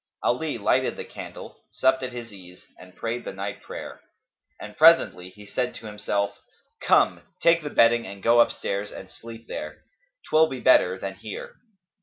Ali lighted the candle, supped at his ease and prayed the night prayer; and presently he said to himself, "Come, take the bedding and go upstairs and sleep there; 'twill be better than here."